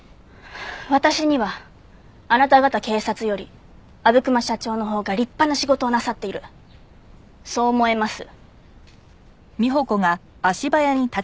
私にはあなた方警察より阿武隈社長のほうが立派な仕事をなさっているそう思えます。